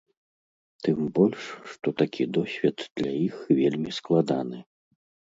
Тым больш, што такі досвед для іх вельмі складаны.